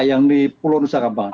yang di pulau nusa kambang